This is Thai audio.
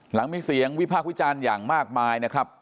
หลังมีเสียงวิพากษ์วิจารณ์อย่างมากมายนะครับ